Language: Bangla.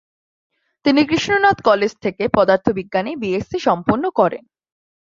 তিনি কৃষ্ণনাথ কলেজ থেকে পদার্থবিজ্ঞানে বিএসসি সম্পন্ন করেন।